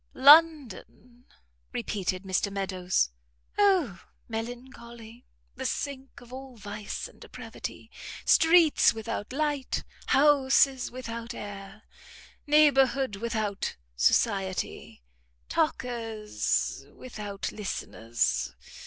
"London!" repeated Mr Meadows, "O melancholy! the sink of all vice and depravity. Streets without light! Houses without air! Neighbourhood without society! Talkers without listeners!